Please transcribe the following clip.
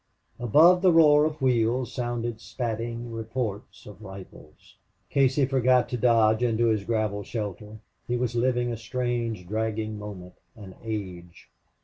Above the roar of wheels sounded spatting reports of rifles. Casey forgot to dodge into his gravel shelter. He was living a strange, dragging moment an age.